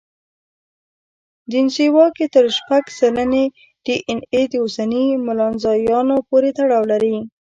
دینسووا کې تر شپږ سلنې ډياېناې د اوسني ملانزیایانو پورې تړاو لري.